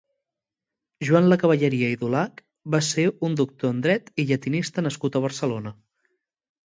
Joan Lacavalleria i Dulach va ser un doctor en dret i llatinista nascut a Barcelona.